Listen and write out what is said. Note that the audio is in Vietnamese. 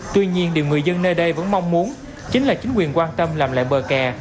tuy nhiên điều người dân nơi đây vẫn mong muốn chính là chính quyền quan tâm làm lại bờ kè